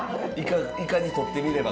イカにとってみればそれは。